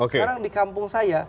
sekarang di kampung saya